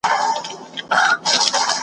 هم خوارځواكى هم په ونه ټيټ گردى وو .